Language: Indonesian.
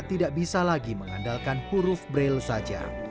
tidak bisa lagi mengandalkan huruf braille saja